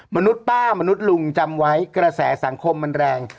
มนุษย์ป้ามนุษย์ลุงจำไว้กระแสสังคมมันแรง